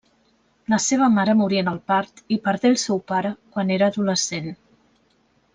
La seva mare morí en el part i perdé el seu pare quan era adolescent.